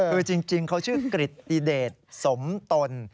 คือจริงเขาชื่อกริตติเดชสมตน